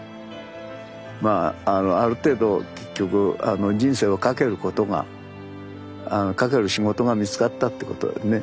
まあある程度結局人生を懸けることが懸ける仕事が見つかったってことでね